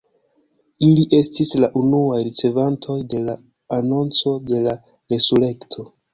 Ili estis la unuaj ricevantoj de la anonco de la resurekto.